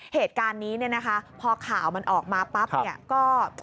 เหตุการณ์นี้นะคะพอข่าวมันออกมาปั๊บ